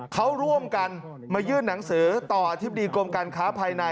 เขาร่วมกันมายื่นหนังสือต่ออธิบดีกรมการค้าภายใน